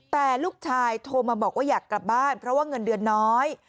แต่ลูกชายโทรมาบอกว่าอยากกลับบ้านเพราะว่าเงินเดือนน้อย